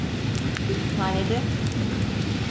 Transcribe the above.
Kütüphanede.